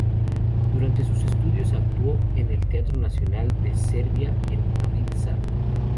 Durante sus estudios actuó en el Teatro Nacional de Serbia en Novi Sad.